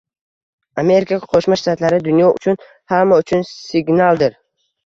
Amerika Qo'shma Shtatlari dunyo uchun, hamma uchun signaldir